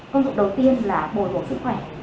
công dụng đầu tiên là bồi bổ sức khỏe